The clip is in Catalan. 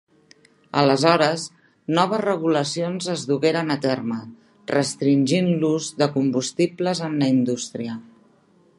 Aleshores, noves regulacions es dugueren a terme, restringint l’ús de combustibles en la indústria.